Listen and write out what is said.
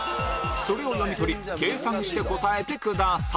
それを読み取り計算して答えてください